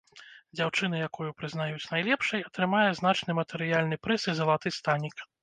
Дзяўчына, якую прызнаюць найлепшай, атрымае значны матэрыяльны прыз і залаты станік.